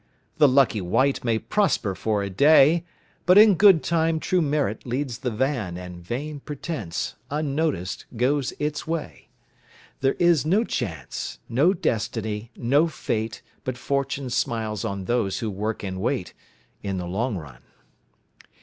The lucky wight may prosper for a day, But in good time true merit leads the van And vain pretence, unnoticed, goes its way. There is no Chance, no Destiny, no Fate, But Fortune smiles on those who work and wait, In the long run.